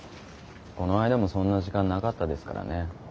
この間もそんな時間なかったですからね。